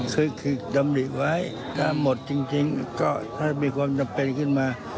คือตำหนิไว้ถ้าหมดจริงก็ถ้ามีความจำเป็นขึ้นมา